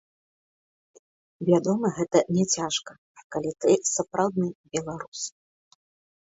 Вядома, гэта няцяжка, калі ты сапраўдны беларус.